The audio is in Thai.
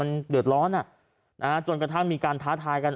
มันเดือดร้อนจนกระทั่งมีการท้าทายกัน